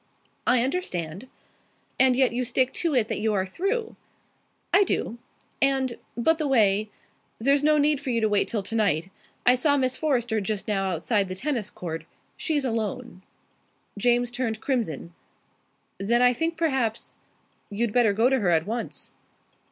"I understand." "And yet you stick to it that you are through?" "I do. And, by the way, there's no need for you to wait till tonight. I saw Miss Forrester just now outside the tennis court. She's alone." James turned crimson. "Then I think perhaps " "You'd better go to her at once."